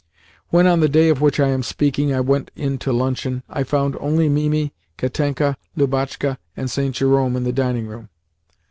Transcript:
When, on the day of which I am speaking, I went in to luncheon I found only Mimi, Katenka, Lubotshka, and St. Jerome in the dining room.